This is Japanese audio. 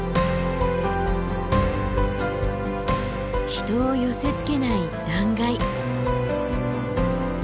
人を寄せつけない断崖。